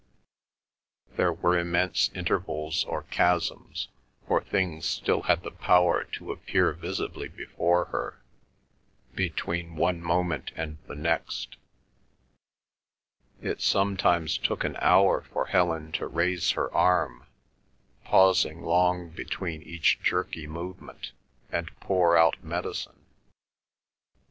There were immense intervals or chasms, for things still had the power to appear visibly before her, between one moment and the next; it sometimes took an hour for Helen to raise her arm, pausing long between each jerky movement, and pour out medicine.